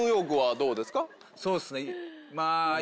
そうっすね。